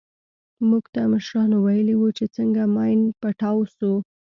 موږ ته مشرانو ويلي وو چې څنگه ماين پټاو سو.